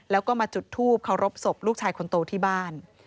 แล้วก็มาจุดทูปเคารพศพลูกชายคนโตที่บ้าน